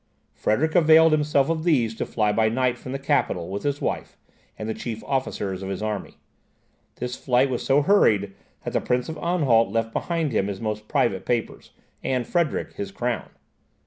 Frederick availed himself of these to fly by night from the capital, with his wife, and the chief officers of his army. This flight was so hurried, that the Prince of Anhalt left behind him his most private papers, and Frederick his crown.